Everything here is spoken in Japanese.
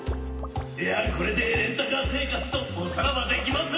いやこれでレンタカー生活とおさらばできます。